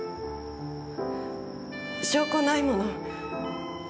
証拠ないもの。